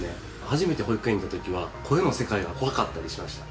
初めて保育園に行った時は声の世界が怖かったりしました。